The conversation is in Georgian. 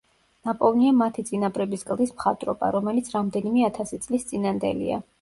ნაპოვნია მათი წინაპრების კლდის მხატვრობა, რომელიც რამდენიმე ათასი წლის წინანდელია.